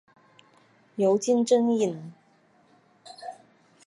尤金真蚓。